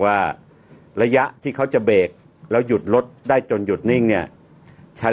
ว่าระยะที่เขาจะเบรกแล้วหยุดรถได้จนหยุดนิ่งเนี่ยใช้